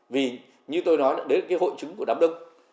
vì như tôi nói đấy là cái hội chứng của đám đông